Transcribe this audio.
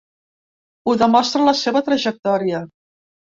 Ho demostra la seva trajectòria.